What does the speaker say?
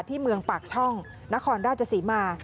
ที่เมืองปากช่องนครราชศรีมา